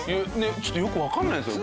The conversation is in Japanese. ちょっとよくわかんないですよ。